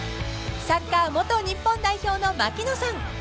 ［サッカー元日本代表の槙野さん］